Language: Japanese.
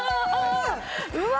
うわ！